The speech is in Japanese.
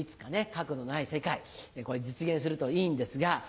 核のない世界実現するといいんですが。